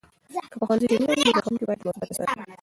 که په ښوونځي کې مینه وي، نو زده کوونکي باندې مثبت اثر کوي.